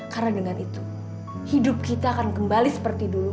karena dengan itu hidup kita akan kembali seperti dulu